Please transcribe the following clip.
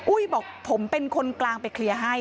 บอกผมเป็นคนกลางไปเคลียร์ให้